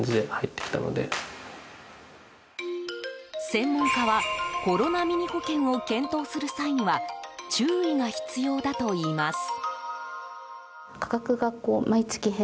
専門家はコロナミニ保険を検討する際には注意が必要だといいます。